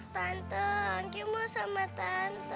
tante anggi mau sama tante